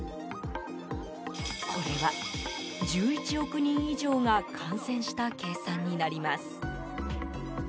これは１１億人以上が感染した計算になります。